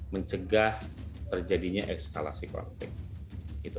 mencegah terjadinya eskalasi konteks